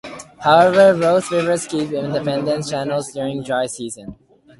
However, both rivers keep independent channels during dry season.